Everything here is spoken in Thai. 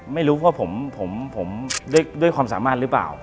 ไม่รู้ว่าผมด้วยความสามารถหรือเปล่า